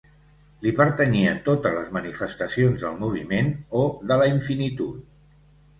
Li pertanyien totes les manifestacions del moviment o de la infinitud.